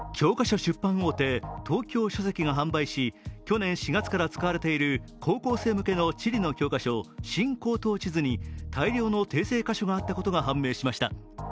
出版大手・東京書籍が販売し去年４月から使われている高校生向けの地理の教科書「新高等地図」に大量の訂正箇所があったことが判明しました。